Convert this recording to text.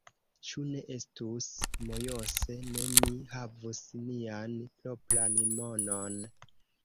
Ĉu ne estus mojose, se ni havus nian propran monon?